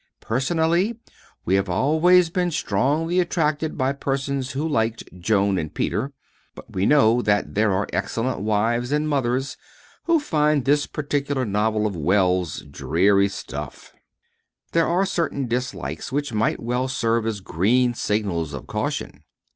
Personally, we have always been strongly attracted by persons who liked Joan and Peter, but we know that there are excellent wives and mothers who find this particular novel of Wells's dreary stuff. There are certain dislikes which might well serve as green signals of caution.